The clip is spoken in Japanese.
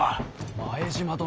前島殿。